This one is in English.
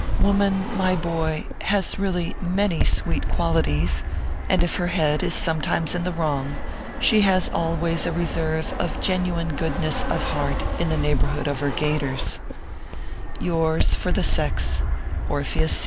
Woman, my boy, has really many sweet qualities ; and if her head is sometimes in the wrong, she has always a reserve of genuine goodness of heart in the neighborhood of her gaiters.